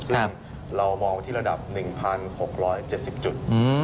ซึ่งเรามองไว้ที่ระดับ๑๖๗๐จุด